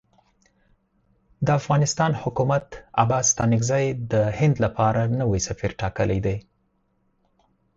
د افغانستان حکومت عباس ستانکزی د هند لپاره نوی سفیر ټاکلی دی.